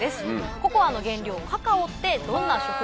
ココアの原料カカオってどんな植物？